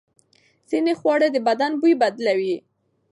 ځینې خواړه د بدن بوی بدلوي.